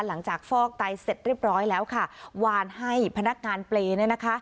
ฟอกไตเสร็จเรียบร้อยแล้วค่ะวานให้พนักงานเปรย์เนี่ยนะคะ